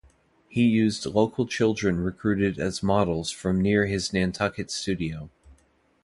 He used local children recruited as models from near his Nantucket studio.